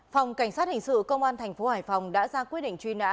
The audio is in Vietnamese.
phòng cảnh sát hình sự công an tp hcm đã ra quyết định truy nã